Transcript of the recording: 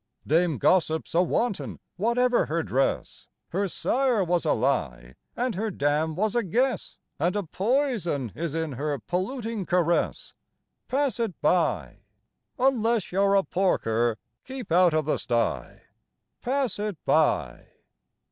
Dame Gossip's a wanton, whatever her dress; Her sire was a lie and her dam was a guess, And a poison is in her polluting caress; Pass it by! Unless you're a porker, keep out of the sty. Pass it by!